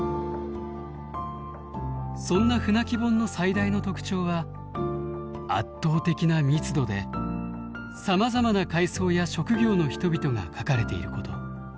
そんな「舟木本」の最大の特徴は圧倒的な密度でさまざまな階層や職業の人々が描かれていること。